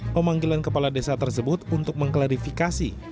pemanggilan kepala desa tersebut untuk mengklarifikasi